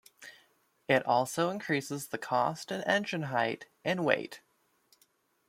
It also increases the cost and engine height and weight.